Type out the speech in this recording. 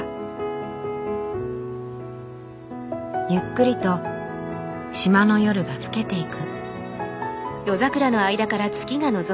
ゆっくりと島の夜が更けていく。